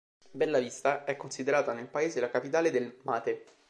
Bella Vista è considerata nel paese la "capitale del mate".